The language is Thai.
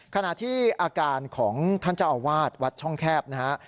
ขณะที่อาการของท่านเจ้าอาวาสวัดช่องแคบนะฮะ